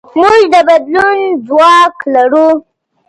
موږ د بدلون ځواک لرو.